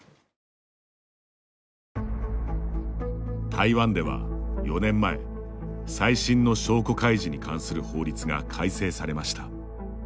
台湾では４年前再審の証拠開示に関する法律が改正されました。